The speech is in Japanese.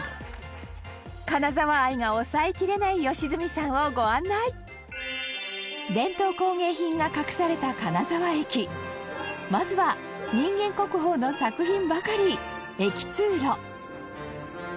金沢愛が抑えきれない良純さんを、ご案内伝統工芸品が隠された金沢駅まずは「人間国宝の作品ばかり駅通路」